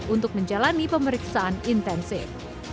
untuk menjalani pemeriksaan intensif